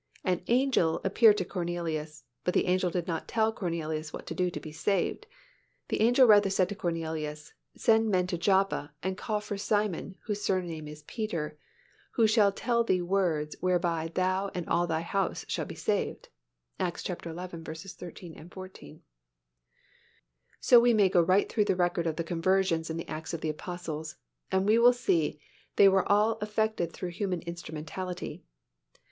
"An angel" appeared to Cornelius, but the angel did not tell Cornelius what to do to be saved. The angel rather said to Cornelius, "Send men to Joppa, and call for Simon, whose surname is Peter, who shall tell thee words whereby thou and all thy house shall be saved" (Acts xi. 13, 14). So we may go right through the record of the conversions in the Acts of the Apostles and we will see they were all effected through human instrumentality.